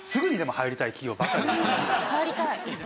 入りたい。